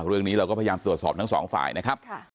เรื่องนี้เราก็พยายามตรวจสอบทั้งสองฝ่ายนะครับ